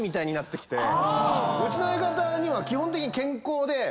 うちの相方には基本的に。